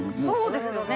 そうですよね。